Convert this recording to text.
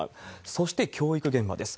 そして教育現場です。